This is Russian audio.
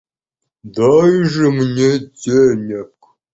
Дай же мне денег!